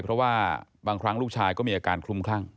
เพราะว่าบางครั้งลูกชายก็มีอาการคลุมคลั่ง